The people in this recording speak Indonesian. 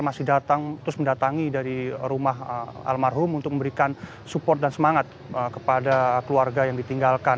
masih datang terus mendatangi dari rumah almarhum untuk memberikan support dan semangat kepada keluarga yang ditinggalkan